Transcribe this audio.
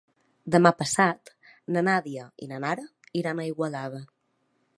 Demà passat na Nàdia i na Nara iran a Igualada.